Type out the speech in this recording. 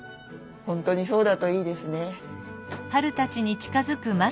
本当にそうだといいですね。